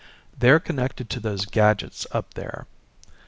"They're connected to those gadgets up there."